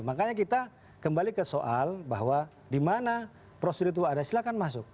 makanya kita kembali ke soal bahwa di mana prosedur itu ada silakan masuk